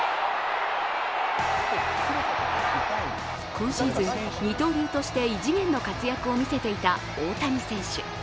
今シーズン、二刀流として異次元の活躍を見せていた大谷選手。